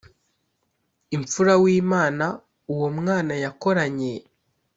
imfura w Imana Uwo Mwana yakoranye